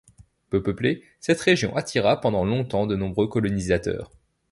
Peu peuplée, cette région attira pendant longtemps de nombreux colonisateurs.